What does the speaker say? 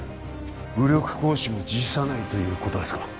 武力行使も辞さないということですか